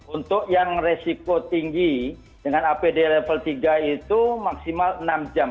untuk yang resiko tinggi dengan apd level tiga itu maksimal enam jam